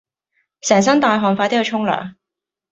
成身大汗快啲去沖涼